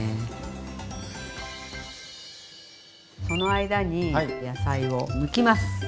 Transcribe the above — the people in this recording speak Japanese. その間に野菜をむきます。